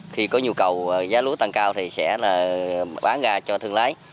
khi có nhu cầu giá lúa tăng cao thì sẽ là bán ra cho thương lái